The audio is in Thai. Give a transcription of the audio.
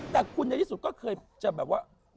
แต่คุณในที่สุดก็เคยจะแบบว่า